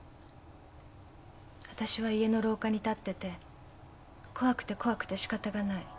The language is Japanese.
あたしは家の廊下に立ってて怖くて怖くてしかたがない。